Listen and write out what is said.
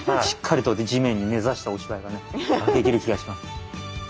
しっかりと地面に根ざしたお芝居がねできる気がします。